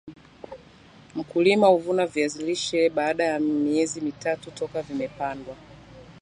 mkulima huvuna viazi lishe baada ya miezi mitatu toka vimepandwa